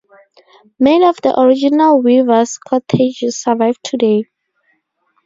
Many of the original weavers' cottages survive today.